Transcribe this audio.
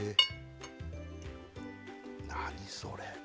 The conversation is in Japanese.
何それ？